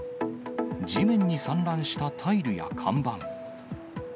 地面に散乱したタイルや看板。